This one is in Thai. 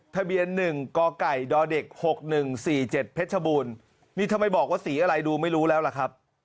ทะเบียน๑กไก่ดเด็ก๖๑๔๗เพชรบูรณ์นี่ทำไมบอกว่าสีอะไรดูไม่รู้แล้วล่ะครับ